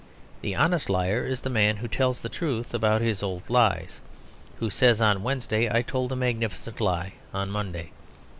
The honest liar is the man who tells the truth about his old lies; who says on Wednesday, "I told a magnificent lie on Monday."